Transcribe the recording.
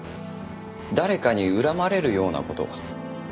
誰かに恨まれるような事は？